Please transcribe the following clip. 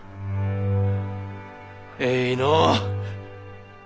えいのう！